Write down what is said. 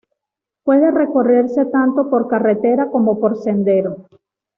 Puede recorrerse tanto por carretera como por sendero.